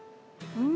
うん！